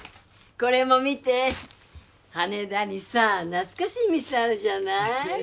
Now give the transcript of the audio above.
これも見て羽田にさ懐かしい店あるじゃないえっ